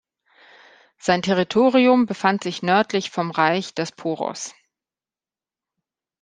Sein Territorium befand sich nördlich vom Reich des Poros.